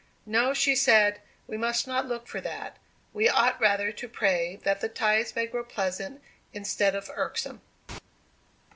"No," she said, "we must not look for that. We ought rather to pray that the ties may grow pleasant instead of irksome."